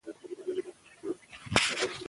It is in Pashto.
پښتو ژبه زموږ په زړونو کې ځای لري.